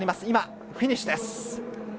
今、フィニッシュです。